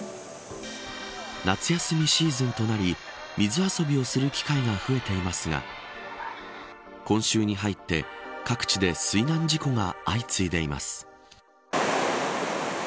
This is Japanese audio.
夏休みシーズンとなり水遊びをする機会が増えていますが今週に入って各地で水難事故が相次いでいます。